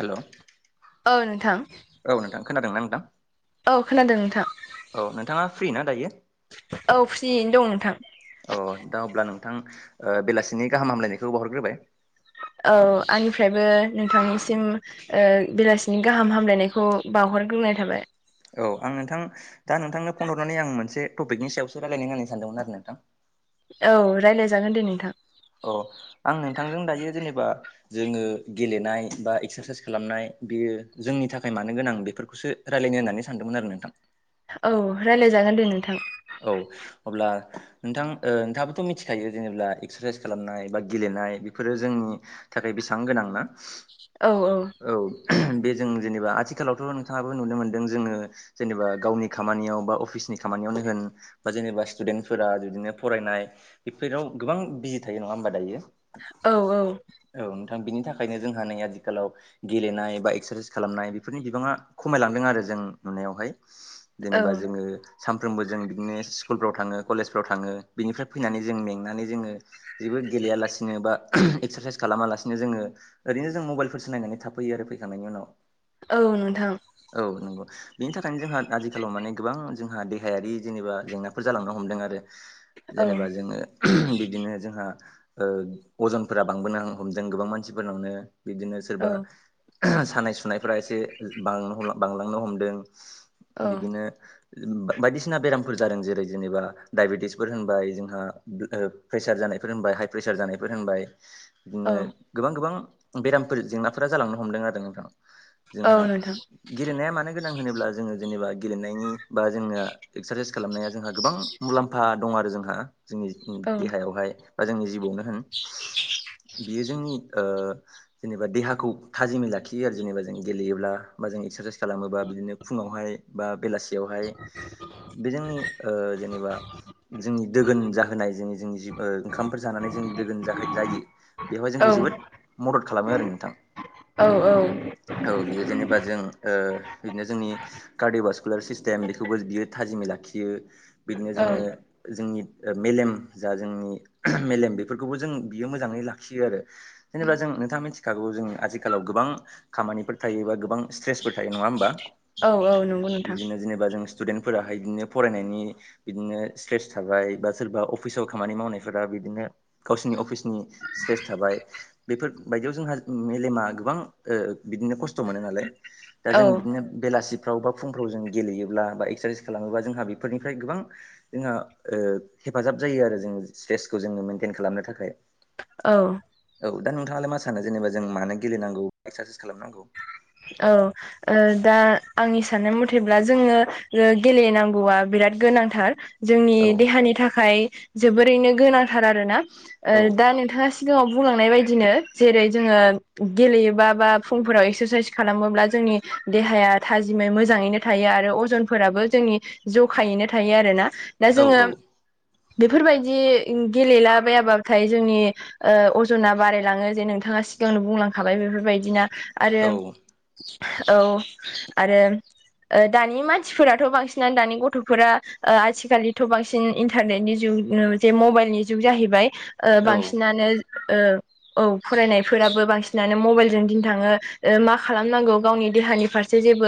Hello औ नोंथां औ नोंथां खोनादोंना नोंथां औ खोनादों नोंथां औ नोंथाङा फ्रिना दायो? औ फ्रियैनो दं नोंथां अ दा अब्ला नोंथां ओ बेलासिनि गाहाम हामलायनायखौ बावहरग्रोबाय, औ आंनिफ्रायबो नोंथांनिसिम ओ बेलासिनि गाहाम हामलायनायखौ बावहरग्रोनाय थाबाय, औ आं नोंथां दा नोंथांनो फन हरनानै आं मोनसे टपिकनि सायावसो रायलायनो होना सानदोंमोन आरो नोंथां, औ रायलायजागोन दे नोंथां, अ आं नोंथांजों दायो जेनेबा जोङो गेलेनाय बा एक्सारसाइस खालामनाय बेयो जोंनि थाखाय मानो गोनां बेफोरखौसो रायलायनो होननानै सानदोंमोन आरो नोंथां औ रायलायजागोन दे नोंथां औ अब्ला नोंथां ओ नोंथाङाबोथ' मिथिखायो जेनेब्ला एक्सारसाइस खालामनाय बा गेलेनाय बेफोरो जों थाखाय बेसां गोनांना औ औ औ बे जों जेनेबा आथिखालावथ' नोंथाङाबो नुनो मोनदों जोङो, जेनेबा गावनि खामानियाव बा अफिसनि खामानियावनो होन बा जेनेबा स्टुदेन्टफोरा बिदिनो फरायनाय बेफोराव गोबां बिजि थायो नङा होमबा दायो। औ औ औ नोंथां बिनि थाखायनो जोंहा नै आथिखालाव, गेलेनाय बा एक्सारसाइस खालामनाय बेफोरनि बिबाङा खमायलांदों आरो जों नुनायावहाय, औ जेनेबा जोङो सानफ्रोमबो जों बिदिनो स्कुलफ्राव थाङो कलेजफ्राव थाङो बेनिफ्राय फैनानै जों मेंनानै जोङो, जेबो गेलेयालासिनो बा एक्सारसाइस खालामालासिनो जोङो, ओरैनो जों मबाइलफोरसो नायनानै थाफैयो आरो फैखांनायनि उनाव, औ नोंथां औ नंगौ बेनि थाखायनो जोंहा आजिखालाव माने गोबां जोंहा देहायारि, जेनेबा जेंनाफोर जालांनो हमदों आरो औ जेनेबा जोङो बिब्दिनो जोंहा अजनफोरा बांबोनो हमदों गोबां मानसिफोरनावनो बिदिनो सोरबा, औ सानाय सुनायफोरा एसे बांलांनो हमदों औ बिदिनो, बायदि बायसिना बेरामफोर जादों जेरै जेनेबा डायबेटिसफोर होनबाय जोंहा प्रेसार जानायफोरबाय हाइ प्रेसार जानायफोर होनबाय, बिदिनो औ गोबां गोबां बेरामफोर जेंनाफोरा जालांनो हमदों आरो नोंथां, औ जोंहा नोंथां गेलेनाया मानो गोनां होनोब्ला जोङो जेनेबा गेलेनायनि बा जोंना, एक्सारसाइस खालामनाया जोंहा गोबां मुलाम्फा दं आरो जोंहा जोंनि औ देहायावहाय, बा जोंनि जिबआवनो होन बियो जोंनि जेनेबा देहाखौ थाजिमै लाखियो आरो जेनेबा जों गेलेयोब्ला बा जों एक्सारसाइस खालामोबा बिदिनो फुङावहाय, बा बेलासियावहाय, हाय बेजोंनि ओ जेनेबा, जोंनि दोगोन जाहोनाय जोंनि जोंनि जि ओंखामफोर जानानै जों दोगोन जायो, बेवहाय औ जोंखौ जोबोद मदद खालामो आरो नोंथां, औ औ औ बियो जेनेबा जों बिदिनो जोंनि कार्डअ' बासकुलार सिस्टेम बेखौबो बियो, थाजिमै लाखियो बिदिनो जोङो, जोंनि मेलेम जा जोंनि मेलेम बेफोरखौबो जों बियो मोजाङै लाखियो आरो जेनेबा जों नोंथाङा मिथिखागौ जों आथिखालाव गोबां खामानिफोर थायो एबा गोबां स्ट्रेसफोर थायो नङा होमबा? औ औ नंगौ नोंथां। बा जों स्टुडेन्टफोराहाय बिदिनो फरायनायनि बिदिनो स्ट्रेस थाबाय बा सोरबा अफिसाव खामानि मावनायफोरा बिदिनो गावसिरनि अफिसनि स्ट्रेस थाबाय। बेफोरबायायदियाव जोंहा मेलेमा गोबां बिदिनो खस्थ' मोनो नालाय दा औ जों बिदिनो बेलासिफ्राव बा फुंफ्राव जों गेलेयोब्ला बा एक्सारसाइस खालामोबा जोंहा बेफोरनिफ्राय गोबां जोंहा ओ हेफाजाब जायो आरो जोंनो स्ट्रेसखौ जोङो मेइनटेन खालामनो थाखाय। औ औ दा नोंथाङालाय मा सानो? जेनेबा जों मानो गेलेनांगौ एक्सारसाइस खालामनांगौ। औ ओ दा आंनि साननाय मथेब्ला जोङो गेलेनांगौआ बिराद गोनांथार, जोंनि औ देहानि थाखाय जोबोरैनो गोनांथार आरोना औ दा नोंथाङा, सिगाङाव बुंलांनाय बायदिनो जेरै जोङो गेलेयोबा बा फुंफोराव एक्सारसाइस, खालामोब्ला जोंनि देहाया थाजिमै मोजाङैनो थायो आरो अजनफोराबो जोंनि, ज'खायैनो थायो आरो ना दा औ जोङो, बेफोरबायदि गेलेलाबायाब्लाथाय जोंनि ओ अजना बारायलाङो जे नोंथाङा सिगांनो बुंलांखाबाय बेफोरबायदिना औ आरो औ आरो ओ दानि मानसिफोराथ' बांसिनानो दानि गथ'फोरा ओ आथिखाालनिथ' बांसिन बांसिन इन्टारनेटनि जुग जे मबाइलनि जुग जाहैबाय औ बांसिनानो ओ औ फरायनायफोराबो बांसिनानो मबाइलजों दिन थाङो ओ माखा खालामनांगौ गावनि देहानि फारसे जेबो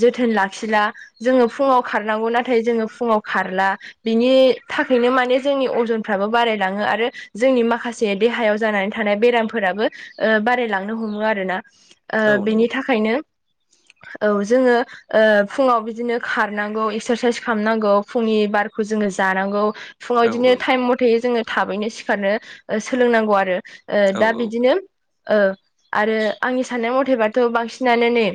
जोथोन ओ लाखिला। जोङो फुङाव खारनांगौ नाथाय जोङो फुङाव खारला। बिनि थाखायनो माने जोंनि अजनफ्राबो बारायलाङो आरो जोंनि माखासे देहायाव जानानै थानाय बेरामफोराबो बारायलांनो हमो आरोना। औ नंगौ बेनि थाखायनो औ जोङो ओ फुङाव बिदिनो खारनांगौ एक्सारसाइस खालामनांगौ फुंनि बारखौ जोङो जानांगौ। फुङाव औ बिदिनो टाइम मथेै जोङो थाबैनो सिखारनो सोलोंनांगौ आरो। ओ औ दा बिदिनो ओ आरो आंनि साननाय मथेबाथ' बांसिनानो नै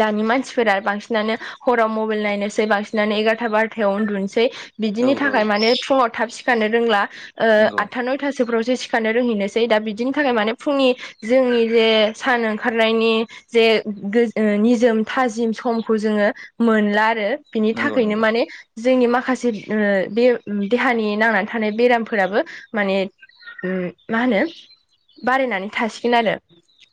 दानि मानसिफोरा बांसिनानो हराव मबाइल नायनोसै बांसिनानो एगारथा बार'थायाव उन्दुनोसै। औ बिदिनि औ थाखाय माने फुङाव थाब सिखारनो रोंला ओ नंगौ आतथा नय थासोफ्रावसो सिखारनो रोंहैनोसै दा बिदिनि थाखाय माने फुंनि जोंनि जे सान ओंखारनायनि जे निजोम थाजिम समखौ जोङो मोनला आरो। बिनि नंगौ थाखायनो नंगौ माने जोंनि माखासे बे देहानि नांनानै थानाय बेरामफोराबो माने उम मा होनो बारायनानै थासिगोन आरो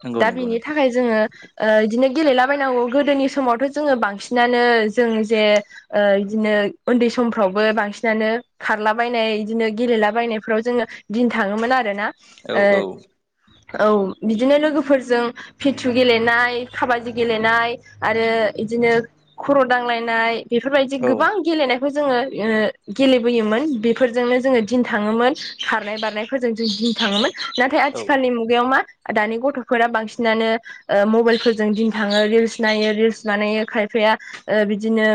नंगौ दा नंगौ बिनि नोंथां थाखाय जोङो ओ बिदिनो गेलेलाबायनांगौ गोदोनि समावथ' जोङो बांसिनानो जों जे ओ इदिनो उन्दै समफ्रावबो बांसिनानो खारलाबायनाय बिदिनो गेलेलाबायनायफ्राव जोङो दिन थाङोमोन आरोना औ ऐ औ औ बिदिनो लोगोफ फोरजों फिथु गेलेनाय खाबादि गेलेनाय आरो इदिनो खर' दांलायनाय बेफोरबायदि औ गोबां गेलेनाय जोङो गेलेबोयोन बेफोरजोंनो जोङो दिन थाङोमोन खारनाय बारनाय फोरजों जों दिन थाङोमोन नाथाय औ आथिखालनि मुगायाव मा दानि गथ' फोरा बांसिनानो मबाइलफोरजों दिन थाङो रिल्स नायो रिल्स बानायो खायफाया। ओ बिदिनो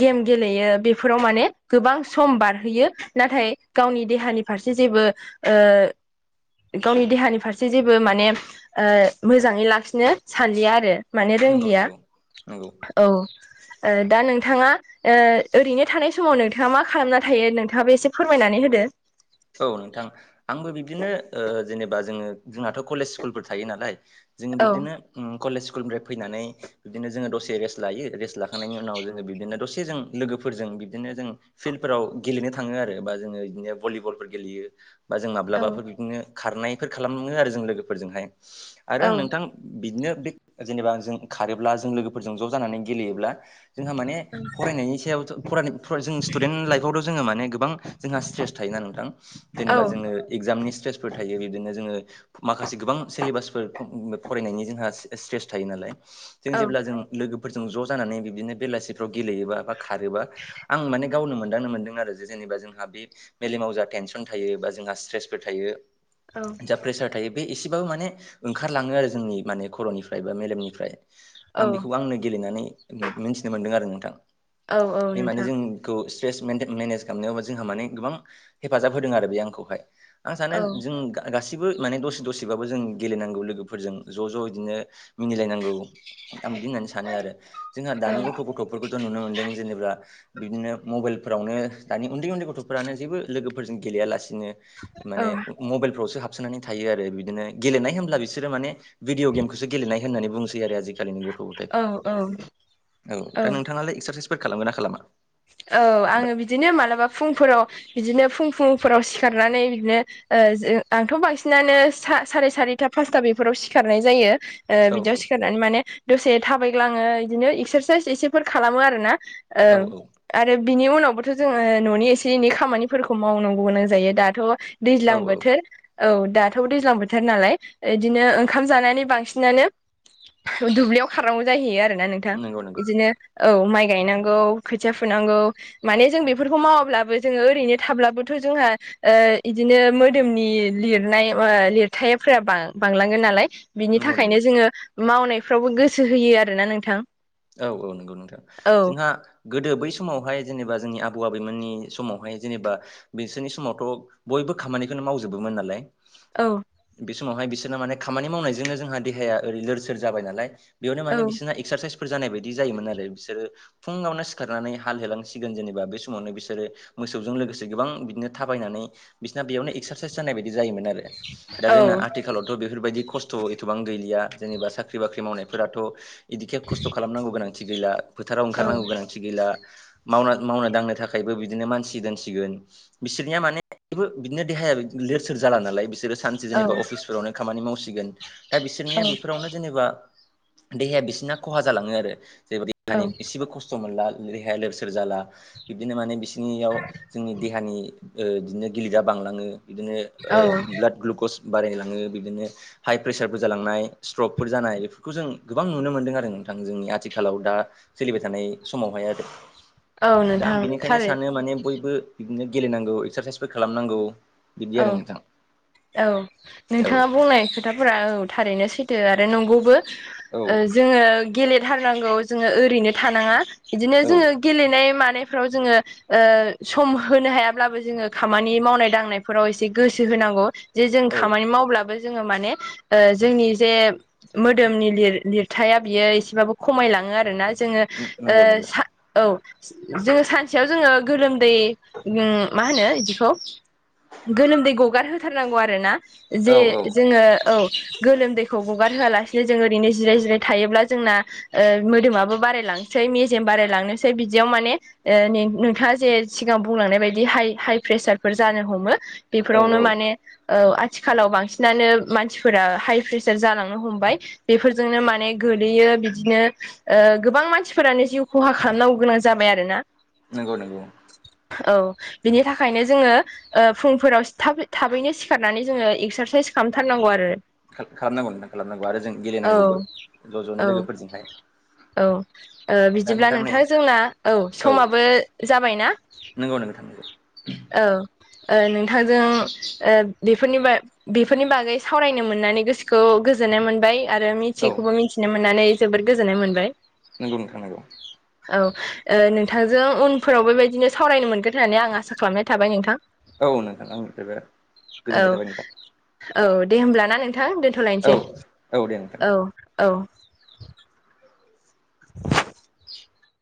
गेम गेलेयो बेफोराव माने गोबां सम बारहोयो। नाथाय गावनि देहानि फारसे जेबो ओ गावनि देहानि फारसे जेबो माने ओ मोजाङै लाखिनो सानलिया आरो माने नंगौ रोंलिया नंगौ नंगौ औ। ओ दा नोंथाङा ओ ओरैनो थानाय समाव नोंथाङा मा खालामना थायो नोंथाङाबो एसे फोरमायनानै होदो। औ नोंथां आंबो बिब्दिनो जेनेबा जोङो जोंहथ' कलेज स्कुलफोर थायो नालाय जोङो औ बिब्दिनो कलेज स्कुलनिफ्राय फैनानै बिदिनो जोङो दसे रेस्ट लायो। रेस्ट लाखांनायनि उनाव जोङो बिदिनो दसेजों लोगोफोरजों बिदिनो जों फिल्डफोराव गेलेनो थाङो आरो बा जोङो बिदिनो भलिबल गेलेयो बा जों औ माब्लाबाफोर बिदिनो खारनायफोर खालामो आरो जों लोगोफोरजोंहाय। आरो औ नोंथां बिदिनो बे जेनेबा जों खारोब्ला जों लोगोफोरजों ज' जानानै गेलेयोब्ला जोंहा माने फरायनायनि सायावथ' फरायनाय-फराय जों स्टुडेन्ट लाइफआवथ' जोङो माने गोबां जोंहा स्ट्रेस थायोना नोंथां? औ जेनेबा जोङो एगजामनि स्ट्रेसफोर थायो बिदिनो जोङो। माखासे गोबां सिलेबासफोर फरायनायनि जोंहा स्ट्रेस थायो नालाय। जों जेब्ला औ जों लोगोफोरजों ज' जानानै बिदिनो बेलासिफ्राव गेलेयोबा बा खारोबा आं माने गावनो मोनांनो मोनदों आरो जेनेबा जोंहा बे मेलेमाव जा टेन थायो बा जोंहा स्ट्रेसफोर थायो। औ जा प्रेसार थायो बे एसेबाबो माने ओंखारलाङो आरो जोंनि माने खर'निफ्राय बा मेलेमनिफ्राय। औ आं बेखौबो आंनो गेलेनानै मिथिनो मोनदों आरो नोंथां। औ औ बे माने नोंथां जोंनि स्ट्रेस मेन मेनेज खालामनायावा जोंहा माने गोबां हेफाजाब होदों आरो बे आंखौहाय। आं सानो औ जों गा गासिबो माने दसे दसेबाबो जों गेलेनांगौ लोगोफोरजों ज' ज' बिदिनो मिनिलायनांगौ। आं बिदि होननानै सानो आरो जोंहा औ दानि गथ' गथ' फोरखौथ' नुनो मोनदों जेनेबा बिदिनो मबाइलफोरावनो दानि उन्दै उन्दै गथ'फ्रानो जेबो लोगोफोरजों गेलेयालासिनो औ माने मबेलफ्रावसो हाबसोनानै थायो आरो बिदिनो गेलेनाय होमब्ला बिसोर माने भिडिअ गेमखौसो गेलेनाय होनानै बुंसै आजि कालिनि गथ' औ गथायफोरा औ औ। दा नोंथाङालाय एक्सासायस फोर खालामो ना खालामा? औ आङो बिदिनो मालाबा फुंफोराव बिदिनो फुं फुंफोराव सिखारनानै बिदिनो ओ आंथ' बांसिनानो सा साराय सारिथा पासथा बेफोराव सिखारनाय जायो। ओ औ बिदियाव सिखारनानै माने दसे थाबायग्लाङो इदिनो एक्सारसाइस एसेफोर खालामो आरो ना। औ ओं। आरो बिनि उनावबोथ' जोङो न'नि एसे एनै खामानिफोरखौ मावनांगौ गोनां जायो। दाथ' औ दैज्लां औ बोथोर औ दाथ' दैज्लां बोथोर नालाय इदिनो ओंखाम जानानै बांसिनानो दुब्लियाव खारनांगौ जाहैयो आरोना नोंथां नंगौ नंगौ बिदिनो औ माइ गायनांगौ खोथिया फुनांगौ माने जों बेफोरखौ मावाब्लाबो जोङो ओरैनो थाब्लाबोथ' जोंहा ओ इदिनो मोदोमनि लिरनाय लिरथायफोरा बांलांगोन नालाय बिनि नंगौ नंगौ थाखायनो जोङो मावनायफ्रावबो गोसो होयो आरोना नोंथां। औ औ नंगौ नोंथां। औ जोंहा गोदो बै समावहाय जेनेबा जोंनि आबौ आबैमोननि समावहाय जेनेबा बिसोरनि समावथ' बयबो खामानिखौनो मावजोबोमोन नालाय औ। बे समावहाय बिसोरना माने खामानि मावनायजोंनो जोंहा देहाया ओरै लोर सोर जाबाय नालाय बेयावनो औ माने बिसोरना एक्सारसाइसफोर जानाय बायदि जायोमोन आरो बिसोरो फुङावनो सिखारनानै हाल हेलांसिगोन जेनेबा बे समावनो बिसोरो मोसौजों लोगोसे गोबां बिदिनो थाबायनानै बिसिना बेयावनो एक्सारसाइस जानाय बायदि जायोमोन आरो। दा औ जोंना आथिखालाव थ' बेफोरबायदि खस्थ' एथ'बां गैलिया जेनिबा साख्रि बाख्रि मावनायफोराथ' इदिखे खस्थ' खालामनांगौ गोनांथि गैला फोथाराव औ ओंखारनांगौ गोनांथि गैला मावना मावनो दांनो थाखायबो बिदिनो मानसि दोनसिगोन। बिसोरनिया माने जेबो बिदिनो देहाया लोर सोर जाला नालाय बिसोरो सान से जेन'बा अफिसफोरावनो खामानि मावसिगोन दा औ बिसोरनिया बेफोरावनो जेनेबा देहाया बिसिना खहा जालाङो आरो जेनेबा औ देहानिसेबो खस्थ' सम मोनला देहाया लोरसोर जाला बिब्दिनो माने बिसिनियाव जोंनि देहानि ओ बिदिनो गिलिरा बांलाङो बिदिनो औ ओ ब्लाद ग्लुकस बारायलाङो बिदिनो हाइ प्रेसारबो जालांनाय स्ट्रपफोर जानाय बेफोरखौ जों गोबां नुनो मोन्दों आरो थां जोंनि आथिखालाव दा सोलिबाय थानाय समावहाय आरो औ दा आं नोंथां बिनिखायनो थारै सानो माने बयबो बिदिनो गेलेनांगौ एक्सारसाइसबो खालामनांगौ बिदि औ आरो नोंथां औ औ नोंथाङा बुंनाय खो खोथाफोरा औ थारैनो सैथो आरो नंगौबो। औ ओ जोङो गेलेथारनांगौ जोङो ओरैनो थानाङा। बिदिनो औ जोङो गेलेनाय मानायफ्राव जोङो सम होनो हायाब्लाबो जोङो खामानि मावनाय दांनाय फोराव एसे गोसो होनांगौ जे जों औ खामानि मावब्लाबो जोङो माने जोंनि जे मोदोमनि लिर लिरथाया बियो एसेबाबो खमायलाङो आरोना। जोङो नंगौ नंगौ सा औ जोङो सानसेयाव जोङो गोलोमदै मा होनो बिदिखौ गोलोमदै गगारहोथारनांगौ आरोना जे औ औ जोङो औ गोलोमदैखौ गगार होआलासिसेनो जों ओरैनो जिराय जिराय थायोब्ला जोंना ओ मोदोमाबो बारायलांनोसै मेजेम बारायलांनोसै बिदियाव माने ओ नोंथाङा जे सिगां बुंलांनाय बायदि हाइ हाइ प्रेसारफोर जानो हमो औ बेफोरावनो औ माने औ आथिखालाव बांसिनानो मानसिफोरा हाइ प्रेसार जालांनो हमबाय बेफोरजोंनो माने गोलैयो बिदिनो ओ गोबां मानसिफोरानो जिउ खहा खालामनांगौ गोनां जाबाय आरो ना नंगौ नंगौ औ बिनि थाखायनो जोङो फुंफोराव थाब-थाबैनो सिखारनानै जोङो एक्सारसाइस खालामथारनांगौ आरो खाल खालामनांगौ नोंथां खालामनांगौ आरो जों औ गेलेनांगौबो ज' ज'नो औ लोगोफोरजोंहाय औ दा बिदिब्ला ओ नै नोंथां जोंना औ समाबो जाबायना नंगौ नोंथां नोंगौ। औ ओ नोंथांजों ओ बेफोरनि बागै बेफोरनि बागै सावरायनो मोननानै गोसोखौ गोजोननाय मोनबाय आरो औ थिखौबो मिथिनो मोननानै जोबोद गोजोननाय मोनबाय नोंगौ नोंथां नोंगौ औ ओ नोंथांजों उनफोराव बेबायदिनो सावरायनो मोनगोन होननानै आं आसा खालामनाय थाबाय नोंथां। औ नोंथां आंनिफ्रायबो। औ गोजोननाय थाबाय नोंथां औ दे होमब्लाना नोंथां औ दोनथ'लायनोसै औ दे नोंथां दे औ। औ